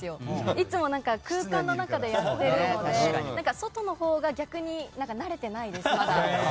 いつも空間の中でやっているので外のほうが逆に慣れてないです、まだ。